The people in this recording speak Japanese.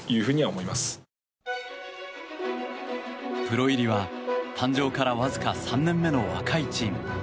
プロ入りは、誕生からわずか３年目の若いチーム。